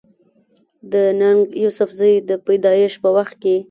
د ننګ يوسفزۍ د پېدايش پۀ وخت